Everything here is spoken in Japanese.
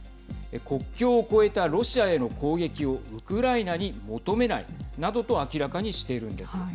国境を越えたロシアへの攻撃をウクライナに求めないなどと明らかにしているんです。